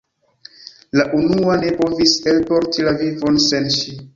La unua ne povis elporti la vivon sen ŝi.